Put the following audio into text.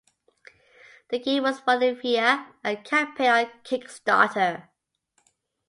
The game was funded via a campaign on Kickstarter.